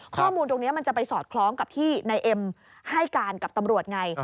ข้อมูลตรงนี้มันจะไปสอดคล้องกับที่นายเอ็มให้การกับตำรวจไง